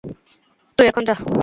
তুই এখন যা।